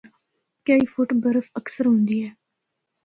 کئی فٹ برف اکثر ہوندی اے۔